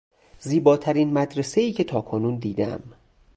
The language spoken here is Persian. زیباترین مدرسهای که تاکنون دیدهام